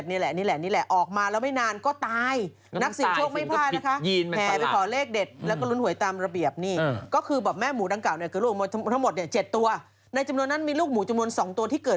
แต่ที่เขาเห็นเนี่ยคือเขาบอกเป็นหมู่ที่๒